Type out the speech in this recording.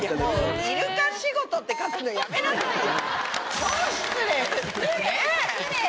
「イルカ仕事」って書くのやめなさいよ！